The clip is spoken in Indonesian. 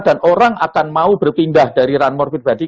dan orang akan mau berpindah dari run more with body